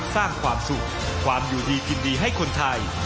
สร้างความสุขความอยู่ดีกินดีให้คนไทย